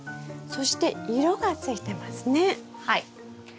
そして色がついてますね。